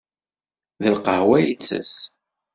D lqahwa i itess.